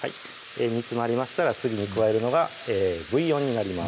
煮詰まりましたら次に加えるのがブイヨンになります